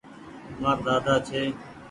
مآر ۮاۮي ڇي۔